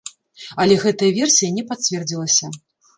Але гэтая версія не пацвердзілася.